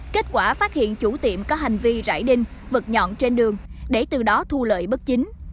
kết quả phát hiện chủ tiệm có hành vi rải đinh vật nhọn trên đường để từ đó thu lợi bất chính